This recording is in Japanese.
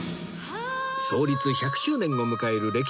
創立１００周年を迎える